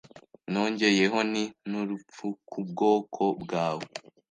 Nongeyeho nti N'urupfu ku bwoko bwawe